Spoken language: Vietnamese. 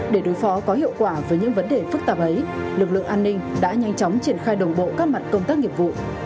để đối phó có hiệu quả với những vấn đề phức tạp ấy lực lượng an ninh đã nhanh chóng triển khai đồng bộ các mặt công tác nghiệp vụ